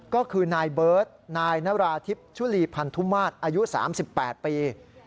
ก็คือนายเบิร์ตนายนราธิบชุลีพันธุมาตรอายุ๓๘ปี